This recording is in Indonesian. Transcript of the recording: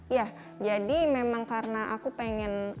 iya jadi memang karena aku pengen banyak